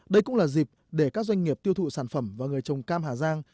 đây cũng là dịp để các doanh nghiệp tiêu thụ sản phẩm và người trồng cam hà giang